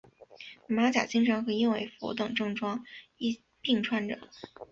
马甲经常和燕尾服等正装一并穿着。